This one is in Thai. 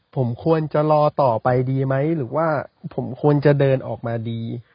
ผมควรจะรอต่อไปดีไหมหรือว่าผมควรจะเดินออกมาดี